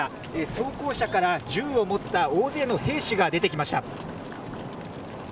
装甲車から、銃を持った大勢の兵士が出てきました。